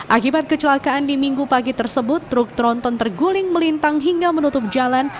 akibat kecelakaan di minggu pagi tersebut truk tronton terguling melintang hingga menutup jalan